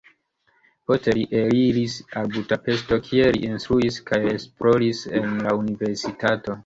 Poste li reiris al Budapeŝto, kie li instruis kaj esploris en la universitato.